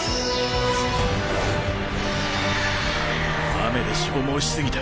雨で消耗し過ぎた。